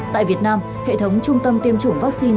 tại việt nam hệ thống trung tâm tiêm chủng vaccine